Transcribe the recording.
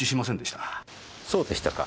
そうでしたか。